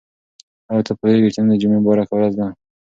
آیا ته پوهېږې چې نن د جمعې مبارکه ورځ ده؟